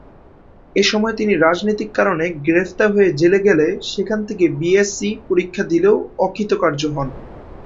এসময় তিনি রাজনৈতিক কারণে গ্রেফতার হয়ে জেলে গেলে সেখান থেকে বিএসসি পরীক্ষা দিলেও অকৃতকার্য হন।